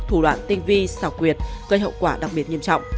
thủ đoạn tinh vi xảo quyệt gây hậu quả đặc biệt nghiêm trọng